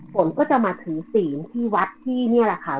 ฝนก็จะมาถือศีลที่วัดที่นี่แหละค่ะ